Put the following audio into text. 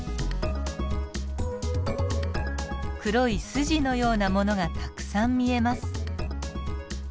黒い筋のようなものがたくさん見えます。